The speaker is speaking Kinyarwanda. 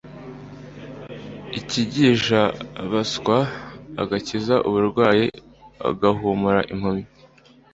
akigisha abaswa, agakiza abarwayi, agahumura impumyi,